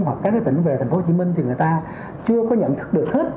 hoặc các cái tỉnh về tp hcm thì người ta chưa có nhận thức được hết